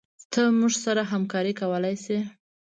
ته موږ سره همکارې کولي شي